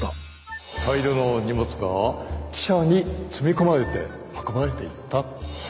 大量の荷物が汽車に積み込まれて運ばれていった。